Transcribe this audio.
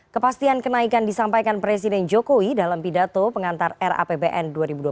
kepastian kenaikan disampaikan presiden jokowi dalam pidato pengantar rapbn dua ribu dua puluh